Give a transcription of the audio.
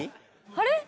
あれ？